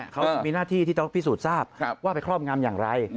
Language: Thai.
เขามีหน้าที่ที่ต้องพิสูจน์ทราบว่าไปครอบงำอย่างไร